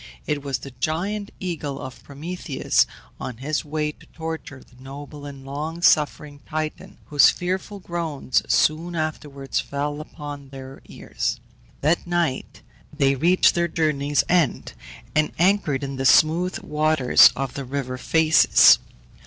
It was the giant eagle of Prometheus on his way to torture the noble and long suffering Titan, whose fearful groans soon afterwards fell upon their ears. That night they reached their journey's end, and anchored in the smooth waters of the river Phases.